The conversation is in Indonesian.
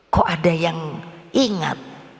kok ada yang ingat